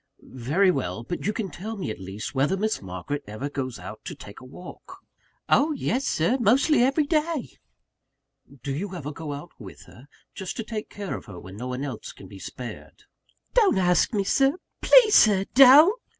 "Very well; but you can tell me at least, whether Miss Margaret ever goes out to take a walk?" "Oh, yes, Sir; mostly every day." "Do you ever go out with her? just to take care of her when no one else can be spared?" "Don't ask me please, Sir, don't!"